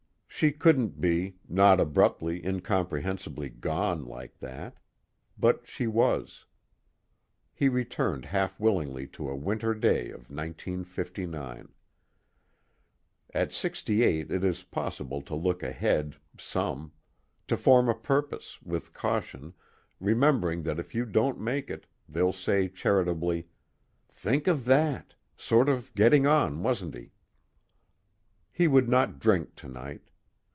She couldn't be not abruptly, incomprehensibly gone like that; but she was. He returned half willingly to a winter day of 1959. At sixty eight it is possible to look ahead some; to form a purpose, with caution, remembering that if you don't make it, they'll say charitably: "Think of that! Sort of getting on, wasn't he?" He would not drink tonight.